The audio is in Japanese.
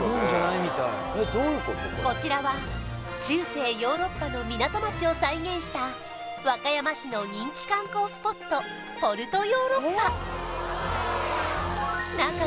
こちらは中世ヨーロッパの港町を再現した和歌山市の人気観光スポット